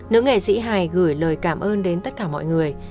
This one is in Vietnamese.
nữ nghệ sĩ hài gửi lời cảm ơn đến tất cả mọi người